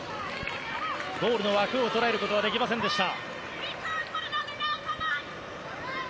ゴールの枠を捉えることはできませんでした。